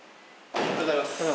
おはようございます。